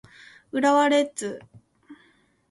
浦和レッズ